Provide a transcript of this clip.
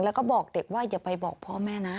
แล้วก็บอกเด็กว่าอย่าไปบอกพ่อแม่นะ